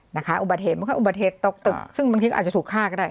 อุบัติเหตุมันก็อุบัติเหตุตกตึกซึ่งบางทีก็อาจจะถูกฆ่าก็ได้